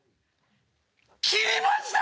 切りました？